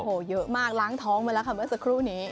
โอ้โหเยอะมากล้างท้องมาแล้วค่ะเมื่อสักครู่นี้